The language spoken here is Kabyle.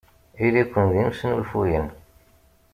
Ili-ken d imesnulfuyen!